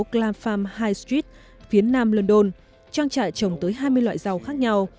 glam farm high street phía nam london trang trại trồng tới hai mươi loại rau khác nhau